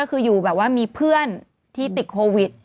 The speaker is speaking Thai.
ก็คืออยู่แบบว่ามีเพื่อนที่ติดโควิด